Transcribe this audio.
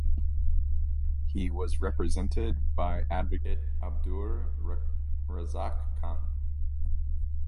He was represented by advocate Abdur Razzaq Khan.